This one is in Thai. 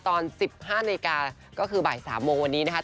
ตอน๑๕นาฬิกาก็คือบ่าย๓โมงวันนี้นะคะ